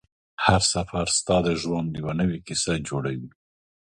هر سفر ستا د ژوند یوه نوې کیسه جوړوي